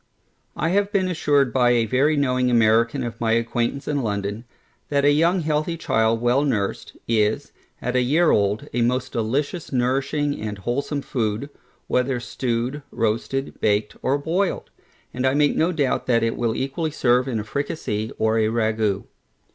I have been assured by a very knowing American of my acquaintance in London, that a young healthy child well nursed, is, at a year old, a most delicious nourishing and wholesome food, whether stewed, roasted, baked, or boiled; and I make no doubt that it will equally serve in a fricasee, or a ragoust.